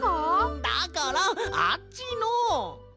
んだからあっちの。